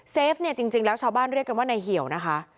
ฟเนี่ยจริงแล้วชาวบ้านเรียกกันว่าในเหี่ยวนะคะ